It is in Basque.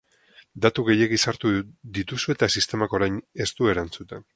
Datu gehiegi sartu dituzu eta sistemak orain ez du erantzuten.